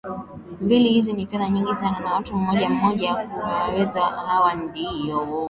mbili hizi ni fedha nyingi sana Na kwa mtu mmoja mmoja kukuwanaweza kuwa ndio